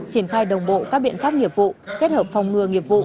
triển khai đồng bộ các biện pháp nghiệp vụ kết hợp phòng ngừa nghiệp vụ